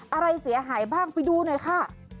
อะไรเสียหายบ้างไปดูหน่อยค่ะ